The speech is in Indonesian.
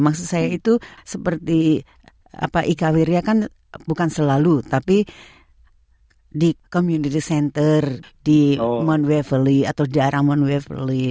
maksud saya itu seperti ika wiria kan bukan selalu tapi di community center di mount wever